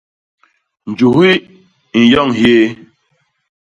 Njuhi i nyoñ hyéé.